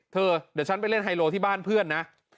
เธอเดี๋ยวฉันไปเล่นไฮโลที่บ้านเพื่อนนะ